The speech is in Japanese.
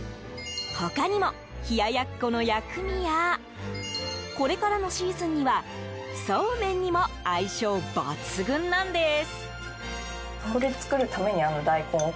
他にも、冷ややっこの薬味やこれからのシーズンにはそうめんにも相性抜群なんです。